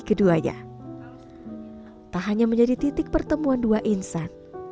keduanya tak hanya menjadi titik pertemuan dua insan